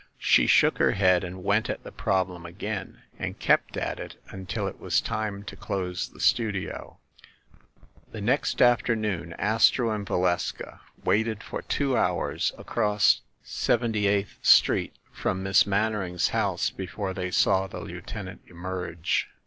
She shook her head and went at the problem again, and kept at it until it was time to close the studio. The next afternoon Astro and Valeska waited for two hours across Seventy eighth Street from Miss Mannering's house before they saw the lieutenant emerge.